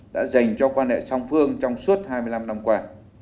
đã dành cho quan hệ song phương trong suốt hai mươi năm năm qua